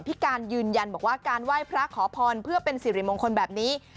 การยืนยันบอกว่าการไหว้พระขอพรเพื่อเป็นสิริมงคลแบบนี้